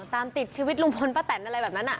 ตามติดชีวิตลุงพลป้าแตนอะไรแบบนั้น